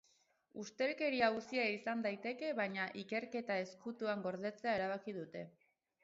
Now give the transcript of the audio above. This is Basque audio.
Ustelkeria auzia izan daiteke, baina ikerketa ezkutuan gordetzea erabaki dute.